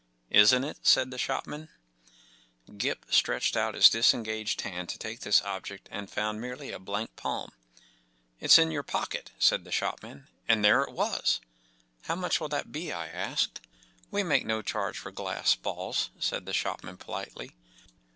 14 Isn't it? n said the shopman, Gip stretched out his disengaged hand to take this object and found merely a blank palm. “ It’s in your pocket,” said the shopman, and there it was ! 14 How much will that be ? ” I asked. 44 We make no charge for glass balls," said the shopman, politely.